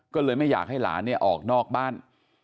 ก็เลยไม่อยากให้หลานเนี่ยออกนอกบ้าน